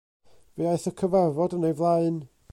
Fe aeth y cyfarfod yn ei flaen.